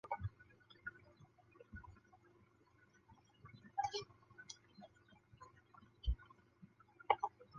扎米亚京与西方出版商的交易引起苏联政府大规模挞伐他。